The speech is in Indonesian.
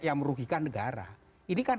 yang merugikan negara ini kan